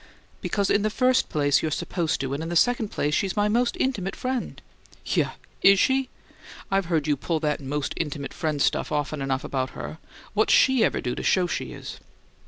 "Because, in the first place, you're supposed to, and, in the second place, she's my most intimate friend." "Yeuh? Is she? I've heard you pull that 'most intimate friend' stuff often enough about her. What's SHE ever do to show she is?"